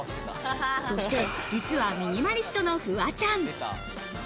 そして実はミニマリストのフワちゃん。